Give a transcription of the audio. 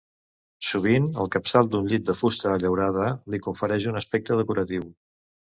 Sovint el capçal d'un llit de fusta llaurada li confereix un aspecte decoratiu.